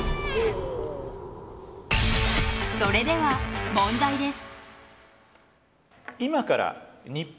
それでは問題です。